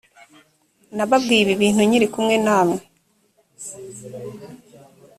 nababwiye ibi bintu nkiri kumwe namwe